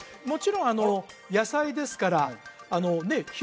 もちろん野菜ですからねえ